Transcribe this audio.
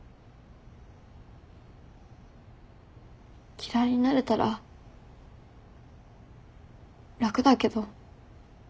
嫌いになれたら楽だけど。